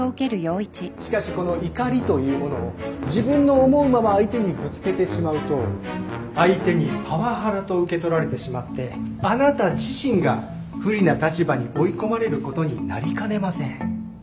しかしこの怒りというものを自分の思うまま相手にぶつけてしまうと相手にパワハラと受け取られてしまってあなた自身が不利な立場に追い込まれることになりかねません